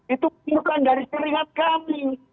itu bukan dari terlihat kami